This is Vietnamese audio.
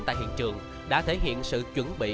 tại hiện trường đã thể hiện sự chuẩn bị